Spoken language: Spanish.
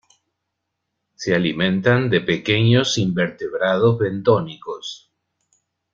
Se alimentan de pequeños invertebrados bentónicos.